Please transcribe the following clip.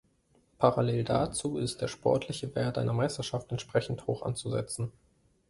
Parallel dazu ist der sportliche Wert einer Meisterschaft entsprechend hoch anzusetzen.